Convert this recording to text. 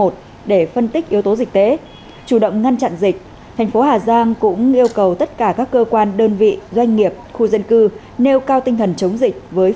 tính đến ngày hai mươi chín tháng một mươi thành phố hà giang ghi nhận trên một trăm linh trường hợp dương tính sars cov hai